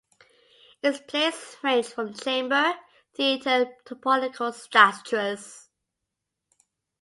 Its plays range from chamber theatre to political satires.